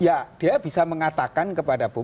ya dia bisa mengatakan kepada